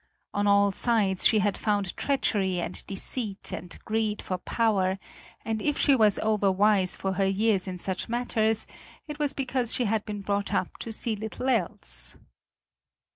On all sides she had found treachery and deceit and greed for power, and if she was overwise for her years in such matters, it was because she had been brought up to see little else.